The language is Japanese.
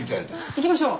行きましょう！